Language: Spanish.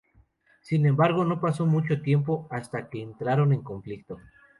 Sin embargo, no pasó mucho tiempo hasta que entraron en conflicto.